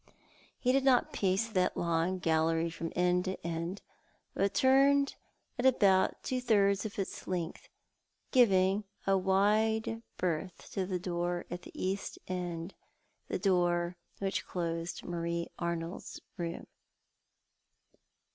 He did not pace that long gallery from end to end, but turned at about two thirds of its length, giving a wide berth to the door at the east end, that door which closed Marie Arnold's room.